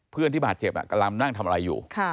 เพื่อนที่บาดเจ็บกำลังนั่งทำอะไรอยู่